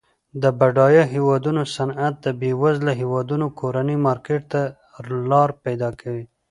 د بډایه هیوادونو صنعت د بیوزله هیوادونو کورني مارکیټ ته لار پیداکوي.